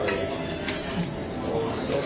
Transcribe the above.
ขอบคุณครับ